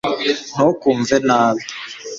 ntukumve nabi